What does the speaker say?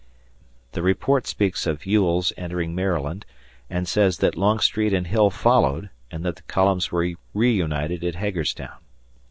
The report speaks of Ewell's entering Maryland and says that Longstreet and Hill followed and that the columns were reunited at Hagerstown.